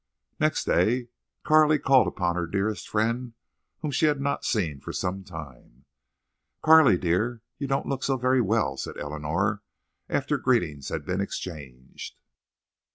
Next day Carley called upon her dearest friend, whom she had not seen for some time. "Carley dear, you don't look so very well," said Eleanor, after greetings had been exchanged.